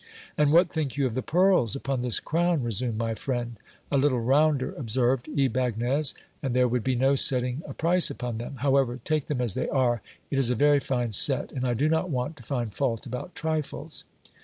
And what think you of the pearls upon this crown ? resumed my friend. A little rounder, observed Ybagnez, and there would be no setting a price upon them! however, take them as they are, 374 GIL BIAS. it is a very fine set, and I do not want to find fault about trifles.